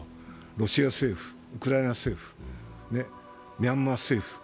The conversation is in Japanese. ロシア政府、ウクライナ政府、ミャンマー政府。